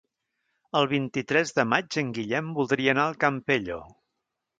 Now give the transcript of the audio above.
El vint-i-tres de maig en Guillem voldria anar al Campello.